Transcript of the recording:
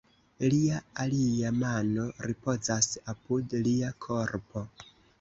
Lia alia mano ripozas apud lia korpo.